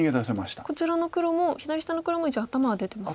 こちらの黒も左下の黒も一応頭は出てますね。